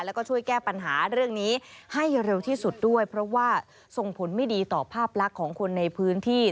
แล้วก็ช่วยแก้ปัญหาเรื่องนี้ให้เร็วที่สุดด้วยเพราะว่าส่งผลไม่ดีต่อภาพลักษณ์ของคนในพื้นที่